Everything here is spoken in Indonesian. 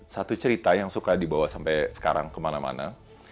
satu cerita yang suka dibawa sampai sekarang kemana mana